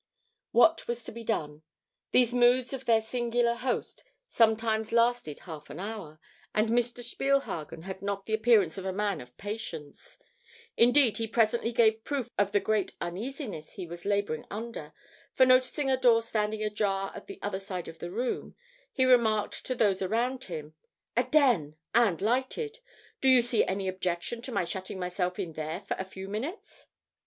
What was to be done? These moods of their singular host sometimes lasted half an hour, and Mr. Spielhagen had not the appearance of a man of patience. Indeed he presently gave proof of the great uneasiness he was labouring under, for noticing a door standing ajar on the other side of the room, he remarked to those around him: "A den! and lighted! Do you see any objection to my shutting myself in there for a few minutes?"